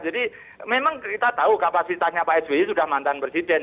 jadi memang kita tahu kapasitasnya pak sby sudah mantan presiden